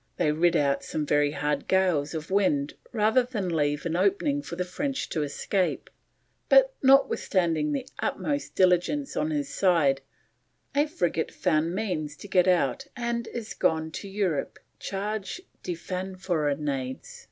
They rid out some very hard gales of wind rather than leave an opening for the French to escape, but, notwithstanding the utmost diligence on his side, a frigate found means to get out and is gone to Europe charge de fanfaronades.